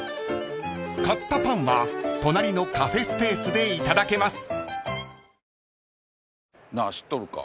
［買ったパンは隣のカフェスペースでいただけます］